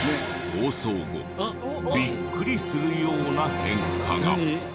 放送後ビックリするような変化が。